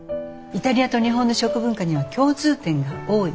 イタリアと日本の食文化には共通点が多い。